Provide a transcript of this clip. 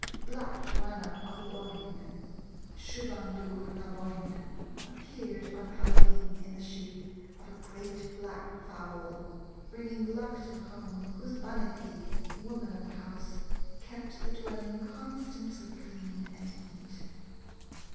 Black Joanna of the Boyne (Siubhan Dubh na Boinne) appeared on Hallowe'en in the shape of a great black fowl, bringing luck to the home whose Banithee (woman of the house) kept the dwelling constantly clean and neat.